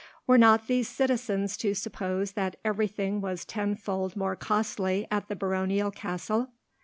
Were not these citizens to suppose that everything was tenfold more costly at the baronial castle?